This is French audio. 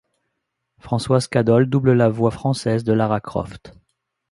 Françoise Cadol double la voix française de Lara Croft.